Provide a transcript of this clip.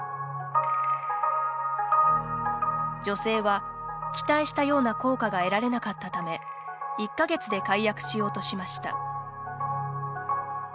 女性は、期待したような効果が得られなかったため１か月で解約しようとしました。